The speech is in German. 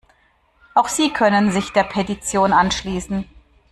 Auch Sie können sich der Petition anschließen.